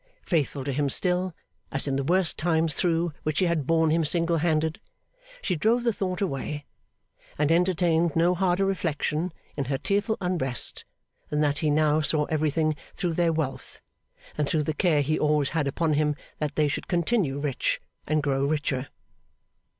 Faithful to him still, as in the worst times through which she had borne him single handed, she drove the thought away; and entertained no harder reflection, in her tearful unrest, than that he now saw everything through their wealth, and through the care he always had upon him that they should continue rich, and grow richer.